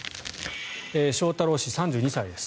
翔太郎氏、３２歳です。